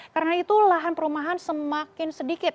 karena itu lahan perumahan semakin sedikit